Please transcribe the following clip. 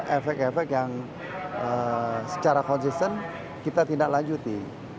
efek efek yang secara consistent kita tidak lanjuti